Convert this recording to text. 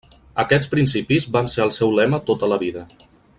Aquests principis van ser el seu lema tota la vida.